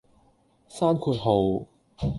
閂括號